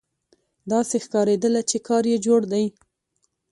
داسې ښکارېدله چې کار یې جوړ دی.